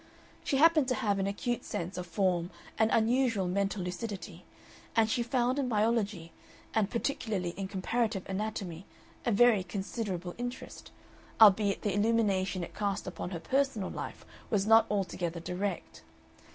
She happened to have an acute sense of form and unusual mental lucidity, and she found in biology, and particularly in comparative anatomy, a very considerable interest, albeit the illumination it cast upon her personal life was not altogether direct.